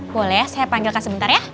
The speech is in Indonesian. boleh saya panggilkan sebentar ya